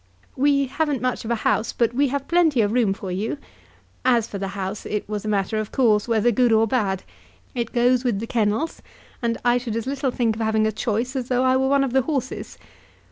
We haven't much of a house, but we have plenty of room for you. As for the house, it was a matter of course, whether good or bad. It goes with the kennels, and I should as little think of having a choice as though I were one of the horses.